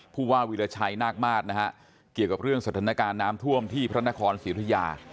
ผู้ว่าวิราชัยนาคมาสนะฮะเกี่ยวกับเรื่องสถานการณ์น้ำท่วมที่พระนครศรีธุยา